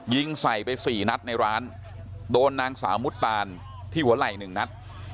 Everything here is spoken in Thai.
ยิงใส่ไป๔นัดในร้านโดนนางสาวมุฒตาลที่หัวไหล่๑นัด